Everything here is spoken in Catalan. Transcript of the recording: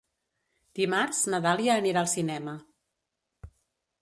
Dimarts na Dàlia anirà al cinema.